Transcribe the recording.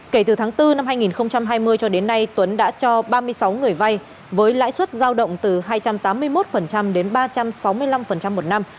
kể từ tháng bốn năm hai nghìn hai mươi cho đến nay tuấn đã cho ba mươi sáu người vay với lãi suất giao động từ hai trăm tám mươi một đến ba trăm sáu mươi năm một năm